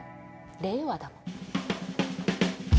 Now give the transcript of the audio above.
令和だもん。